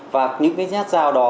và những cái nhát dao đó